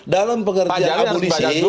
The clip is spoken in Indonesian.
dalam pengerjaan abolisi